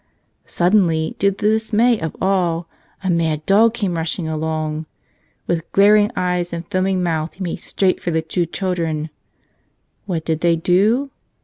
Suddenly, to the dismay of all, a mad dog came rushing along. With glaring eyes and foaming mouth, he made straight for the two chil¬ dren. What did they do?